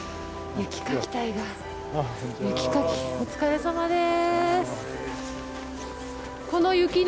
雪かきお疲れさまです。